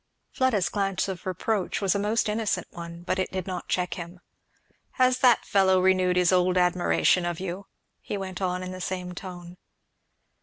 Fleda's glance of reproach was a most innocent one, but it did not check him. "Has that fellow renewed his old admiration of you?" he went on in the same tone.